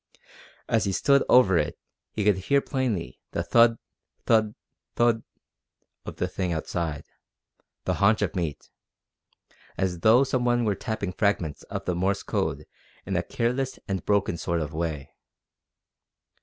As he stood over it he could hear plainly the thud, thud, thud, of the thing outside the haunch of meat as though some one were tapping fragments of the Morse code in a careless and broken sort of way.